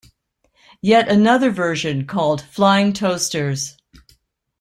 Yet another version called Flying Toasters!